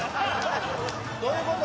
どういうこと？